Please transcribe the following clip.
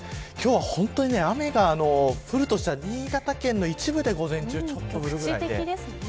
今日は雨が降るとしたら新潟県の一部で午前中ちょっと降るくらい。